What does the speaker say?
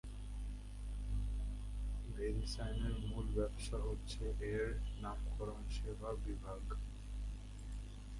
ভেরিসাইনের মূল ব্যবসা হচ্ছে এর নামকরণ সেবা বিভাগ।